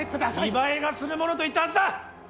見栄えがする者と言ったはずだ！